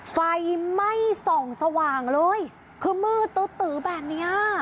ไฟไม่ส่องสว่างเลยคือมือตื๋อแบบนี้